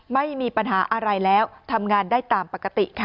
ไม่มีปัญหาอะไรแล้วทำงานได้ตามปกติค่ะ